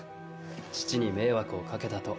父に迷惑をかけたと。